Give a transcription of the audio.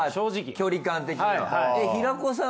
距離感的には。